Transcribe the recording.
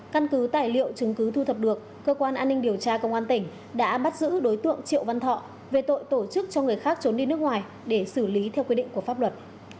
căn cứ tài liệu chứng cứ thu thập được cơ quan an ninh điều tra công an tỉnh đã bắt giữ đối tượng triệu văn thọ về tội tổ chức cho người khác trốn đi nước ngoài để xử lý theo quy định của pháp luật